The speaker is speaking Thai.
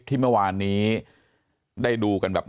สวัสดีครับ